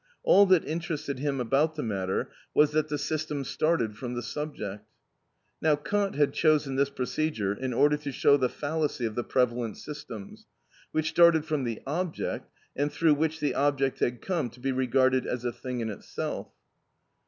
All that interested him about the matter was that the system started from the subject. Now Kant had chosen this procedure in order to show the fallacy of the prevalent systems, which started from the object, and through which the object had come, to be regarded as a thing in itself.